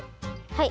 はい。